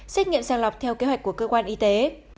xét nghiệm sàng lọc theo kế hoạch của cơ quan y tế